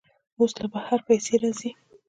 اوس له بهر پیسې راځي.